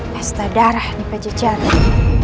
pesta darah di pejajaran